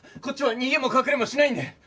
こっちは逃げも隠れもしないんで。